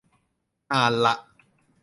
อ่านละ